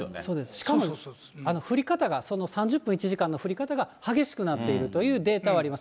しかも降り方が、３０分、１時間の降り方が激しくなっているというデータはあります。